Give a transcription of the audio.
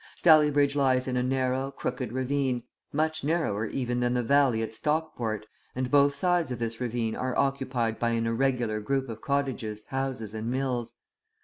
Stalybridge lies in a narrow, crooked ravine, much narrower even than the valley at Stockport, and both sides of this ravine are occupied by an irregular group of cottages, houses, and mills.